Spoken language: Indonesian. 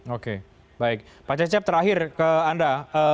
oke baik pak cecep terakhir ke anda